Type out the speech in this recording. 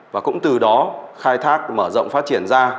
và cũng từ đó khai thác mở rộng phát triển ra